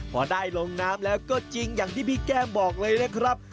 พอได้ลงน้ำแล้วก็จริงอย่างที่พี่แก้มบอกเลยนะครับ